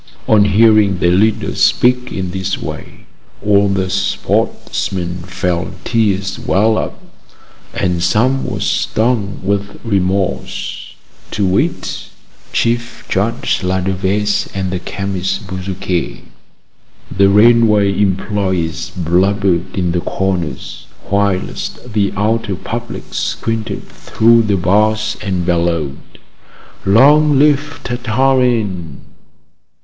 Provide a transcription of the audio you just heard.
On hearing their leader speak in this way, all the sportsmen felt tears well up, and some were stung with remorse, to wit, Chief Judge Ladevese and the chemist Bezuquet. The railway employees blubbered in the corners, whilst the outer public squinted through the bars and bellowed: "Long live Tartarin!"